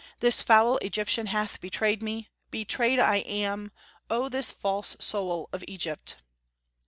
This foul Egyptian hath betrayed me. ... Betray'd I am: O this false soul of Egypt!"